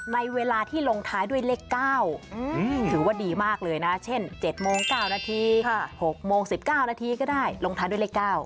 ในเวลาที่ลงท้ายด้วยเลข๙ถือว่าดีมากเลยนะเช่น๗โมง๙นาที๖โมง๑๙นาทีก็ได้ลงท้ายด้วยเลข๙